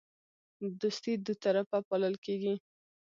دوستي دوطرفه پالل کیږي